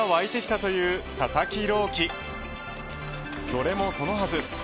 それもそのはず